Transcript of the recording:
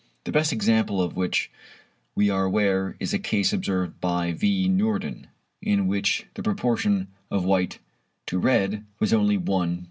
The best example of which we are aware is a case observed by v. Noorden, in which the proportion of white to red was only 1:200.